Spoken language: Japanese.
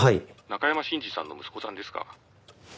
「中山信二さんの息子さんですか？」